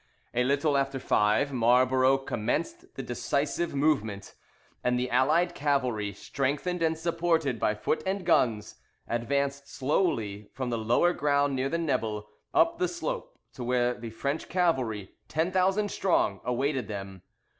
A little after five, Marlborough commenced the decisive movement, and the allied cavalry, strengthened and supported by foot and guns, advanced slowly from the lower ground near the Nebel up the slope to where the French cavalry, ten thousand strong, awaited them.